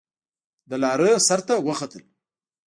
د لارۍ سر ته وختل.